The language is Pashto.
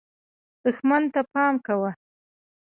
دښمن ته پام کوه .